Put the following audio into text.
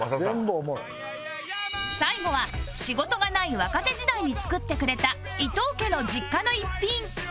最後は仕事がない若手時代に作ってくれた伊藤家の実家の一品